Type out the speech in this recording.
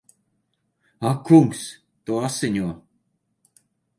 Ak kungs! Tu asiņo!